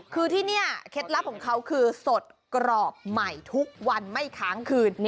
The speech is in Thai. คือที่นี่เคล็ดลับของเขาคือสดกรอบใหม่ทุกวันไม่ค้างคืน